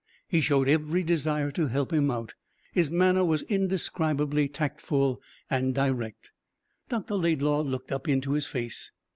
He showed every desire to help him out. His manner was indescribably tactful and direct. Dr. Laidlaw looked up into his face.